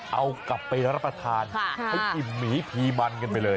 เอากลับไปรับประทานให้อิ่มหมีพีมันกันไปเลย